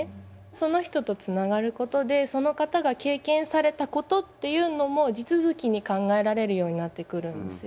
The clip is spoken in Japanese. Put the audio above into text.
その人とつながることでその方が経験されたことっていうのも地続きに考えられるようになってくるんですよ。